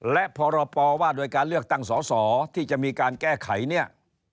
และพรปว่าโดยการเลือกตั้งสอสอที่จะมีการแก้ไขเนี่ย